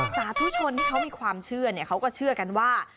สาธุชนที่เขามีความเชื่อเขาก็เชื่อกันว่า